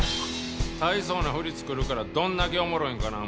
大層な振り作るからどんだけおもろいんかな